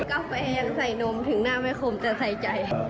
กาแฟยังใส่นมถึงหน้าไม่คมแต่ใส่ใจ